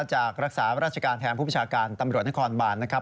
จากรักษาราชการแทนผู้ประชาการตำรวจนครบานนะครับ